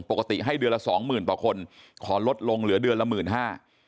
ปกติให้เดือนละสองหมื่นต่อคนขอลดลงเหลือเดือนละหมื่นห้า